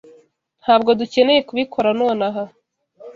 Ntabwo dukeneye kubikora nonaha.